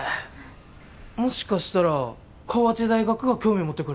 もしかしたら河内大学が興味持ってくれるかも。え？